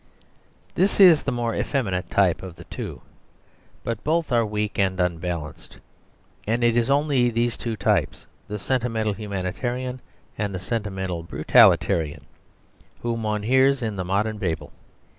This is the more effeminate type of the two; but both are weak and unbalanced. And it is only these two types, the sentimental humanitarian and the sentimental brutalitarian, whom one hears in the modern babel.